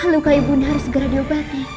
luka ibu harus segera diobati